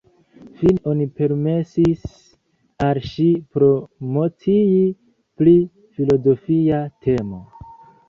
Fine oni permesis al ŝi promocii pri filozofia temo.